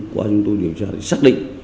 qua chúng tôi điều tra thì xác định